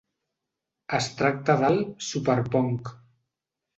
Es tracta del "Superpong".